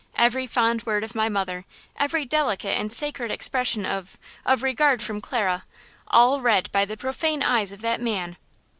Every fond word of my mother, every delicate and sacred expression of–of regard from Clara, all read by the profane eyes of that man!"